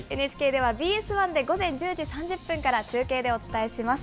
ＮＨＫではＢＳ１で午前１０時３０分から中継でお伝えします。